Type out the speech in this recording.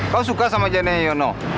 kau suka sama jandanya yono